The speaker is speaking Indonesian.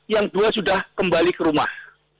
yang dua sudah kembali ke rumah